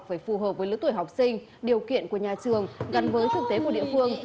phải phù hợp với lứa tuổi học sinh điều kiện của nhà trường gần với thực tế của địa phương